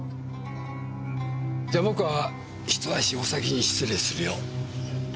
じゃあ僕はひと足お先に失礼するよ。